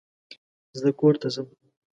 زه کورته ځم.